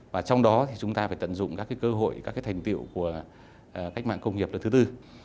và trong đó thì chúng ta phải tận dụng các cơ hội các thành tiệu của cách mạng công nghiệp lần thứ tư